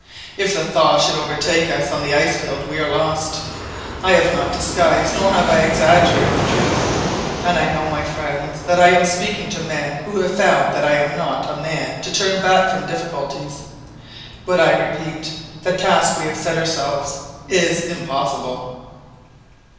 If the thaw should overtake us on the ice field, we are lost. I have not disguised nor have I exaggerated the truth, and I know, my friends, that I am speaking to men who have found that I am not a man to turn back from difficulties. But I repeat, the task we have set ourselves is impossible!"